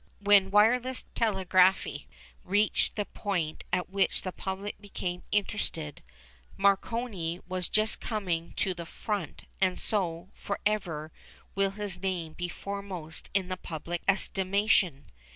When wireless telegraphy reached the point at which the public became interested, Marconi was just coming to the front and so, for ever, will his name be foremost in the public estimation.